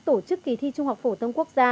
tổ chức kỳ thi trung học phổ thông quốc gia